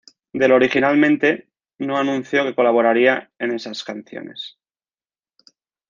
Del originalmente no anunció que colaboraría en esas canciones.